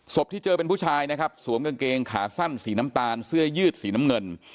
ที่เจอเป็นผู้ชายนะครับสวมกางเกงขาสั้นสีน้ำตาลเสื้อยืดสีน้ำเงิน